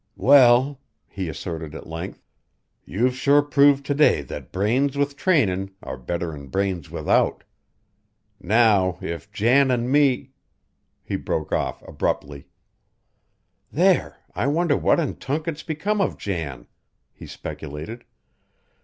"Well," he asserted at length, "you've sure proved to day that brains with trainin' are better'n brains without. Now if Jan an' me " he broke off abruptly. "There! I wonder what in tunket's become of Jan," he speculated.